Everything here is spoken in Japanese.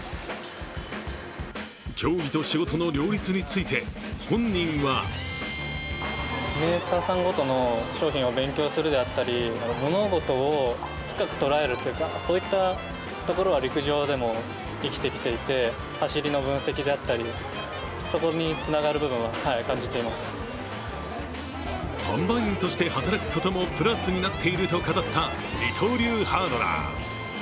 競技と仕事の両立について本人は販売員として働くこともプラスになっていると語った二刀流ハードラー。